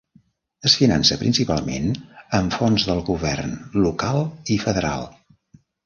Es finança principalment amb fons del govern local i federal.